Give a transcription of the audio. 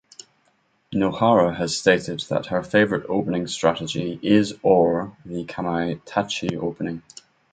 Nohara has stated that her favorite opening strategy is or the Kamaitachi opening.